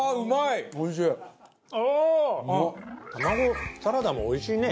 タマゴサラダもおいしいね。